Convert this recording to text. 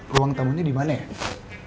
ruang tamunya dimana ya